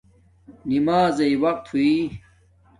نمازݵ وقت ہویݵ